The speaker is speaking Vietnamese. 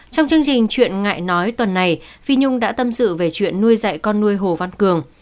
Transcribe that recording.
trong chương trình chuyện ngại nói tuần này phi nhung đã tâm sự về chuyện nuôi dạy con nuôi hồ văn cường